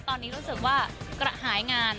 ตอนนี้รู้สึกว่ากระหายงาน